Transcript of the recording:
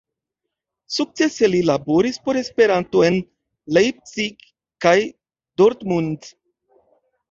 Sukcese li laboris por Esperanto en Leipzig kaj Dortmund.